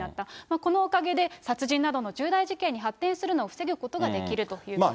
このおかげで殺人などの重大事件に発展するのを防ぐことができるということです。